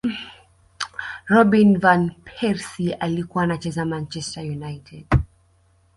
robin van persie alikuwa anacheza manchester united